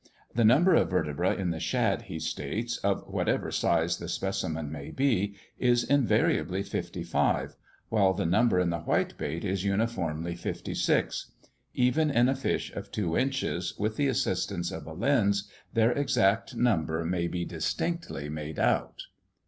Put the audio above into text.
"The number of vertebræ in the shad," he states, "of whatever size the specimen may be, is invariably fifty five, while the number in the whitebait is uniformly fifty six; even in a fish of two inches, with the assistance of a lens, their exact number may be distinctly made out."